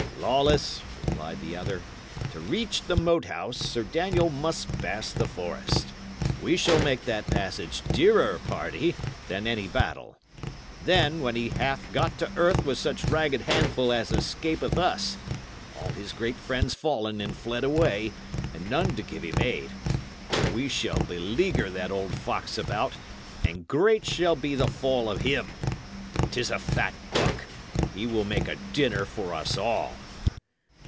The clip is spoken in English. "Lawless," replied the other, "to reach the Moat House, Sir Daniel must pass the forest. We shall make that passage dearer, pardy, than any battle. Then, when he hath got to earth with such ragged handful as escapeth us all his great friends fallen and fled away, and none to give him aid we shall beleaguer that old fox about, and great shall be the fall of him. 'Tis a fat buck; he will make a dinner for us all."